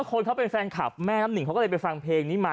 คนเขาเป็นแฟนคลับแม่น้ำหนึ่งเขาก็เลยไปฟังเพลงนี้มา